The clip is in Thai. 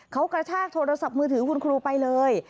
เขากระชากโทรศัพท์มือถือคุณครูไปเลย